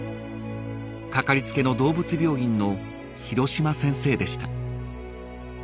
［かかりつけの動物病院の広島先生でした］